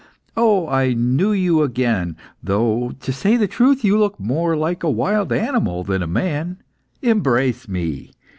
Oh, I knew you again, though, to say the truth, you look more like a wild animal than a man. Embrace me.